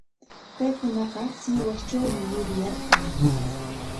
Paykunaqa Sihuastrawmi yuriyarqan.